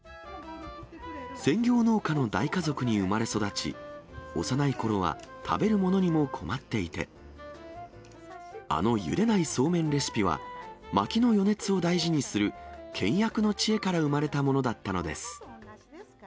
専業農家の大家族に生まれ育ち、幼いころは食べるものにも困っていて、あのゆでないそうめんレシピは、まきの余熱を大事にする倹約の知恵から生まれたものだったのです。